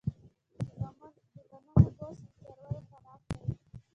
د غنمو بوس د څارویو خوراک دی.